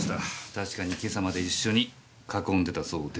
確かに今朝まで一緒に囲んでたそうです。